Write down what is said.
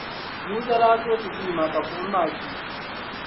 Musa daa suhi Ti Duuma ka buɣim maa kpi.